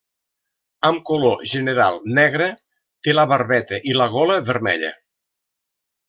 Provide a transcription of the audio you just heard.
Amb color general negre, té la barbeta i la gola vermella.